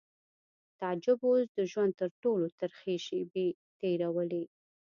تعجب اوس د ژوند تر ټولو ترخې شېبې تېرولې